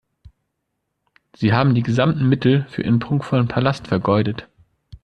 Sie haben die gesamten Mittel für Ihren prunkvollen Palast vergeudet.